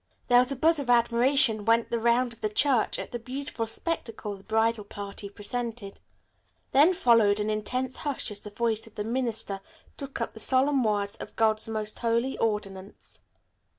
There was a buzz of admiration went the round of the church at the beautiful spectacle the bridal party presented. Then followed an intense hush as the voice of the minister took up the solemn words of God's most holy ordinance.